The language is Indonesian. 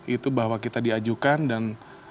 itu bahwa kita diajukan dan